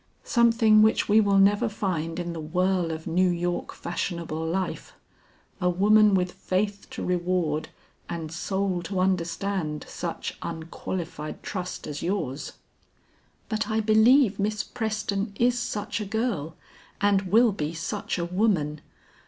"Something which we will never find in the whirl of New York fashionable life. A woman with faith to reward and soul to understand such unqualified trust as yours." "But I believe Miss Preston is such a girl and will be such a woman.